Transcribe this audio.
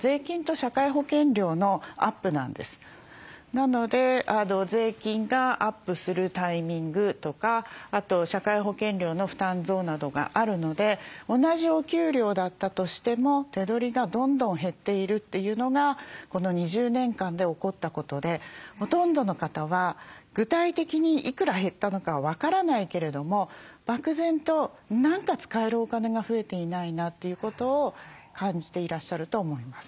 なので税金がアップするタイミングとかあと社会保険料の負担増などがあるので同じお給料だったとしても手取りがどんどん減っているというのがこの２０年間で起こったことでほとんどの方は具体的にいくら減ったのかは分からないけれども漠然と何か使えるお金が増えていないなということを感じていらっしゃると思います。